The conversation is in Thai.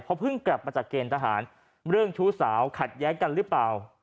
เพราะเพิ่งกลับมาจากเกณฑ์ทหารเรื่องชู้สาวขัดแย้งกันหรือเปล่า